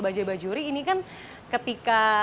bajaj bajuri ini kan ketika